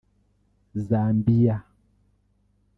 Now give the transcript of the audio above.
Zambiya